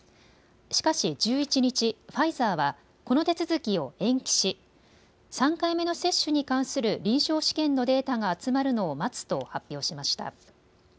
しかし１１日、ファイザーはこの手続きを延期し３回目の接種に関する臨床試験のデータが集まるのを待つと発表しました。